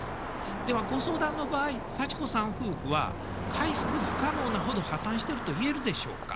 ではご相談の場合サチコさん夫婦は回復不可能なほど破綻してると言えるでしょうか。